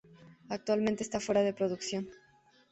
Actualmente está fuera de producción.